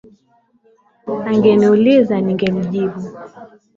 Angeniuliza ningemjibu.